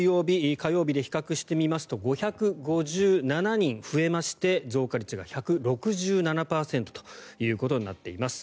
火曜日で比較してみますと５５７人増えまして増加率が１６７％ということになっています。